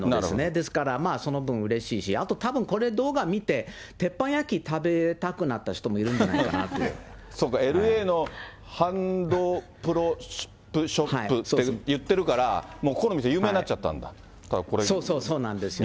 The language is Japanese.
ですから、その分、うれしいし、あとたぶんこれ、動画見て、鉄板焼き食べたくなったそっか、ＬＡのハンドプロップショップって言ってるから、もうここの店、そうそう、そうなんですね。